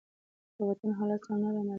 د وطن حالات سم نه رامالومېږي.